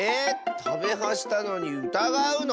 「たべは」したのにうたがうの？